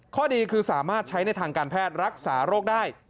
ข้อดีคือสามารถใช้ในทางการแพทย์รักษาโรคได้